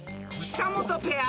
［久本ペア